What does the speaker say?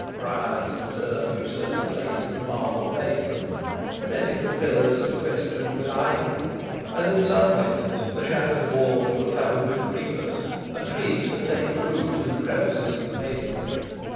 Briers and turf usurped the place of the marble pavement; many of the pillars were festooned with ivy; and, in some places, the shattered walls were covered with creepers, and trees had taken root in the crevices of the masonry.